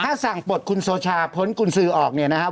ถ้าสั่งปลดคุณโซชาพ้นกุญสือออกเนี่ยนะครับ